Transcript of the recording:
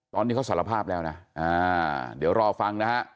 ตอนนี้เขาสารภาพแล้วนะเดี๋ยวรอฟังนะฮะ